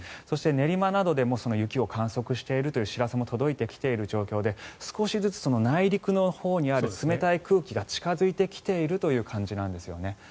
そして練馬などでも雪を観測しているという知らせも届いてきている状況で少しずつ内陸のほうにある冷たい空気が近付いてきているという感じなんですよね。